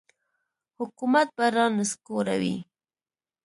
حکومت به را نسکوروي.